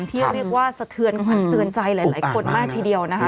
ที่เรียกว่าสะเทือนขวัญเตือนใจหลายคนมากทีเดียวนะคะ